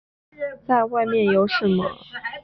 再外面有什么